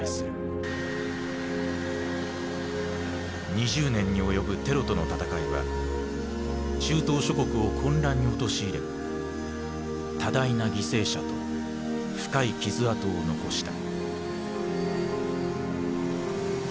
２０年に及ぶ「テロとの戦い」は中東諸国を混乱に陥れ多大な犠牲者と深い傷痕を残した。